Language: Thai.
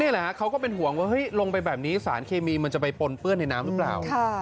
แหละฮะเขาก็เป็นห่วงว่าเฮ้ยลงไปแบบนี้สารเคมีมันจะไปปนเปื้อนในน้ำหรือเปล่า